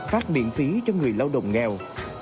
phát miễn phí cho người lao động nghèo